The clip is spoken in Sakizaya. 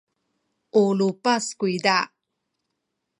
u lupas kuyza.